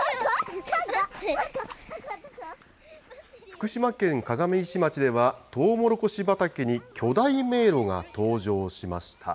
福島県鏡石町では、トウモロコシ畑に巨大迷路が登場しました。